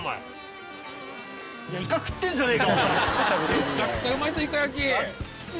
めちゃくちゃうまいぞイカ焼き。